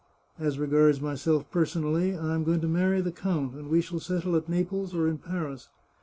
As regards myself personally, I am going to marry the count, and we shall settle at Naples or in Paris.